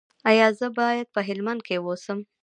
ایا زه باید په هلمند کې اوسم؟